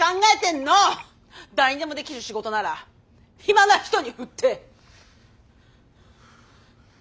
誰にでもできる仕事なら暇な人に振って！